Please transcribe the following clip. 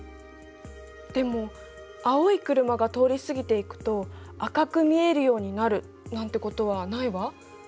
でも「青い車が通り過ぎていくと赤く見えるようになる」なんてことはないわ。